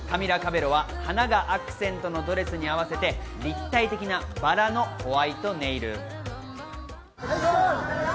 カミラ・カベロは花がアクセントのドレスに合わせて立体的なバラのホワイトネイル。